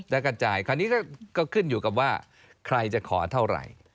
แล้วก็จ่ายคราวนี้ก็ขึ้นอยู่กับว่าใครจะขอเท่าไหร่